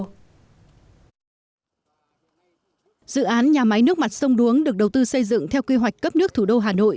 dự án nhà máy nước mặt sông đuống được đầu tư xây dựng theo quy hoạch cấp nước thủ đô hà nội